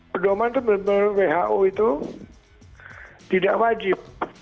pedoman itu benar benar who itu tidak wajib